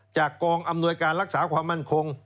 กองอำนวยการรักษาความมั่นคง